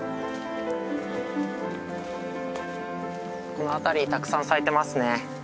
この辺りたくさん咲いてますね。